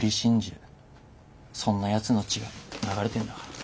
そんなやつの血が流れてんだから。